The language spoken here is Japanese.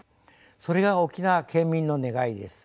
それが沖縄県民の願いです。